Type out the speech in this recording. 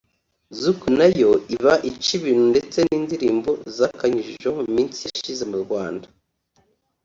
zouk nayo iba ica ibintu ndetse n’indirimbo zakanyujijeho mu minsi yashize mu Rwanda